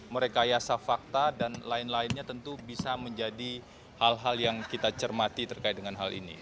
merekayasa fakta dan lain lainnya tentu bisa menjadi hal hal yang kita cermati terkait dengan hal ini